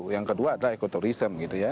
yang kedua adalah ekoturism gitu ya